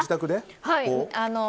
はい。